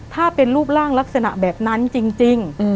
ถ้าเป็นรูปร่างลักษณะแบบนั้นจริง